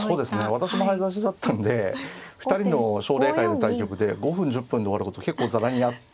私も早指しだったんで２人の奨励会の対局で５分１０分で終わること結構ざらにあって。